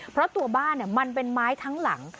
เพราะตัวบ้านมันเป็นไม้ทั้งหลัง